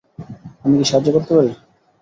আমি কি সাহায্য করতে পারি?